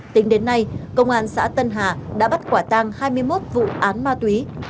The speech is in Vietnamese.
tính đến nay công an xã tân hà đã bắt quả tang hai mươi một vụ án ma túy